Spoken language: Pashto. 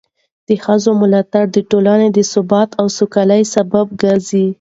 د ښځو ملاتړ د ټولنې د ثبات او سوکالۍ سبب ګرځي.